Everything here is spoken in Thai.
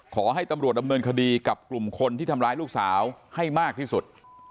ขอให้ตำรวจดำเนินคดีกับกลุ่มคนที่ทำร้ายลูกสาวให้มากที่สุด